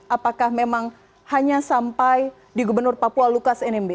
apakah memang hanya sampai di gubernur papua lukas nmb